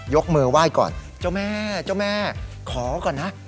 มือไหว้ก่อนเจ้าแม่เจ้าแม่ขอก่อนนะ